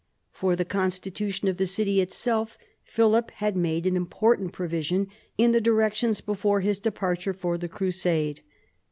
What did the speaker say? For the constitution of the city itself Philip had made an important pro vision in the directions before his departure for the crusade.